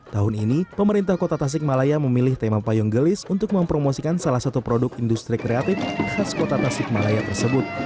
tahun ini pemerintah kota tasikmalaya memilih tema payung gelis untuk mempromosikan salah satu produk industri kreatif khas kota tasikmalaya tersebut